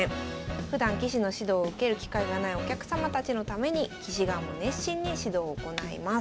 ふだん棋士の指導を受ける機会がないお客様たちのために棋士側も熱心に指導を行います。